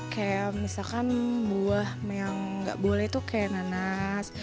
kayak misalkan buah yang nggak boleh tuh kayak nanas